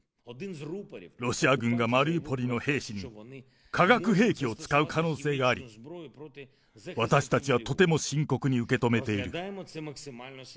ロシア軍がマリウポリの兵士に化学兵器を使う可能性があり、私たちはとても深刻に受け止めている。